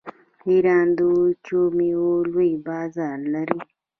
ایران د وچو میوو لوی بازار لري.